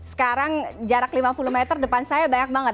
sekarang jarak lima puluh meter depan saya banyak banget